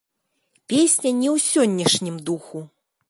Песня не ў сённяшнім духу.